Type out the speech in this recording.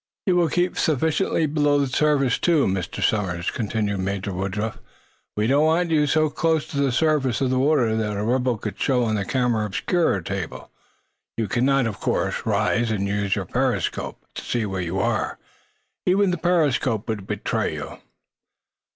"You will keep sufficiently below the surface, too, Mr. Somers," continued Major Woodruff. "We do not want you so close to the surface of the water that a ripple would show on the camera obscura table. You cannot, of course, rise and use your periscope to see where you are. Even the periscope would betray you."